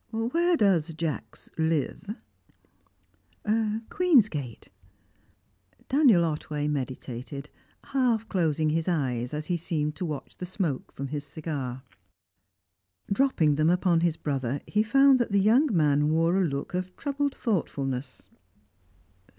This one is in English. Where does Jacks live?" "Queen's Gate." Daniel Otway meditated, half closing his eyes as he seemed to watch the smoke from his cigar. Dropping them upon his brother, he found that the young man wore a look of troubled thoughtfulness.